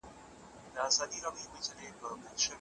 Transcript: نه یې زرکي په ککړو غولېدلې